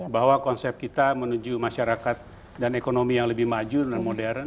bahwa konsep kita menuju masyarakat dan ekonomi yang lebih maju dan modern